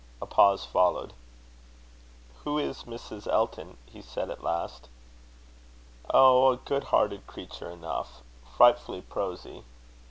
A pause followed. "Who is Mrs. Elton?" he said at last. "Oh, a good hearted creature enough. Frightfully prosy."